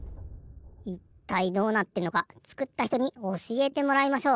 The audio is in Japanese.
いったいどうなってんのか作った人におしえてもらいましょう。